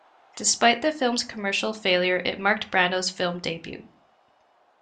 Despite the film's commercial failure, it marked Brando's film debut.